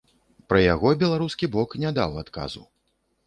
Пра яго беларускі бок не даў адказу.